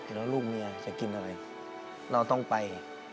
แล้วลูกเมียจะกินอะไรเราต้องไป